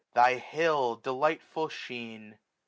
Thy hill, delightful Shene ?